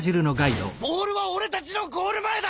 ボールは俺たちのゴール前だ！